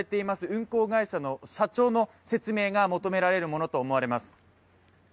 運航会社の社長の説明が求められるものとみられます。